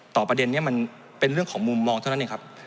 ประเด็นนี้มันเป็นเรื่องของมุมมองเท่านั้นเองครับ